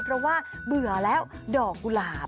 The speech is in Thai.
เพราะว่าเบื่อแล้วดอกกุหลาบ